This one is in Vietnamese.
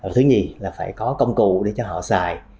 thứ hai là phải có công cụ để cho họ xài